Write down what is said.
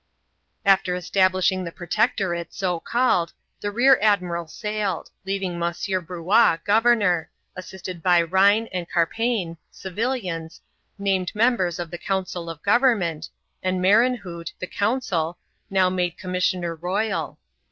After establishing the Protectorate, so called, the rear admiral sailed ; leaving M. Bruat governor, assisted by Beine and Carpegne, civilians, named members of the council of government, and Merenhout, the consul, now made com missioner royal.